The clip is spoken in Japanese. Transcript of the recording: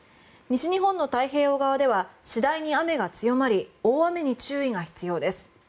西日本の太平洋側では次第に雨が強まり大雨に注意が必要です。